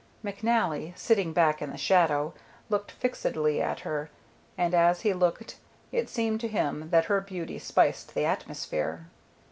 McNally, sitting back in the shadow, looked fixedly at her, and as he looked it seemed to him that her beauty spiced the atmosphere.